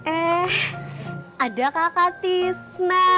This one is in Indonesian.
eh ada kakak tisna